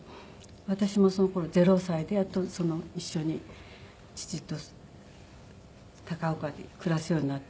私もその頃０歳でやっと一緒に父と高岡で暮らすようになったんですけど。